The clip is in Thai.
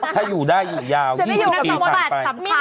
ถ้าอยู่ได้อยู่ยาว๒๐ปีผ่านไป